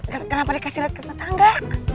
kenapa dikasih lihat ke tetangga